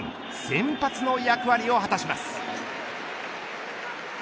先発の役割を果たします。